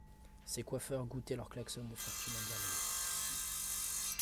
Ces coiffeurs goûtaient leur klaxon de fortune en Birmanie.